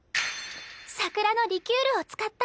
桜のリキュールを使った。